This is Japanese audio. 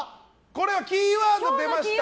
これはキーワード出ました！